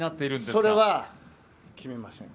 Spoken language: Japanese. それは決めません。